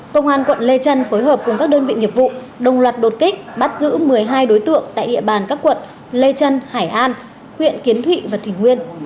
công an quận lê trân phối hợp cùng các đơn vị nghiệp vụ đồng loạt đột kích bắt giữ một mươi hai đối tượng tại địa bàn các quận lê trân hải an huyện kiến thụy và thủy nguyên